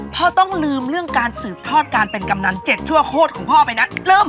พ่อต้องลืมเรื่องการสืบทอดการเป็นกำนัน๗ชั่วโคตรของพ่อไปนั้น